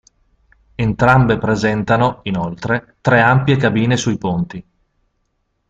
Entrambe presentano, inoltre, tre ampie cabine sui ponti.